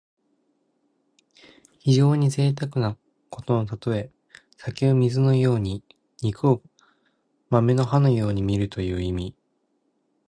非常にぜいたくなことのたとえ。酒を水のように肉を豆の葉のようにみるという意味。